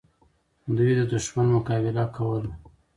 دوی د دښمن مقابله کوله.